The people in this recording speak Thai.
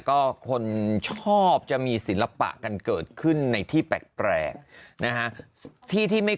ก็คนชอบจะมีศิลปะกันเกิดขึ้นในที่แปลกนะฮะที่ที่ไม่